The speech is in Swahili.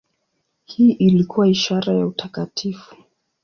Hii ilikuwa ishara ya utakatifu.